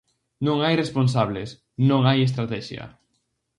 Non hai responsables, non hai estratexia.